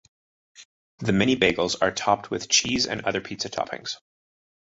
The mini-bagels are topped with cheese and other pizza toppings.